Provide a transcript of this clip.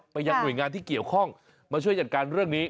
ยังหน่วยงานที่เกี่ยวข้องมาช่วยจัดการเรื่องนี้